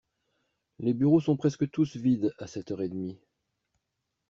Les bureaux sont presque tous vides à sept heures et demi.